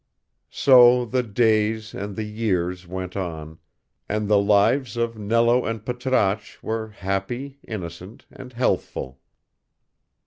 So the days and the years went on, and the lives of Nello and Patrasche were happy, innocent, and healthful.